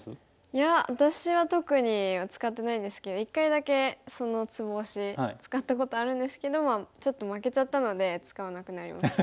いや私は特には使ってないですけど一回だけそのツボ押し使ったことあるんですけどちょっと負けちゃったので使わなくなりました。